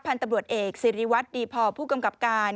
ทางตำรวจเอกสิริวัตดีพอร์ผู้กำกับการ